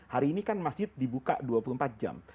hari ini kan masjid dibuka dua puluh empat jam